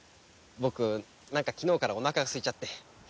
僕なんか昨日からおなかがすいちゃって。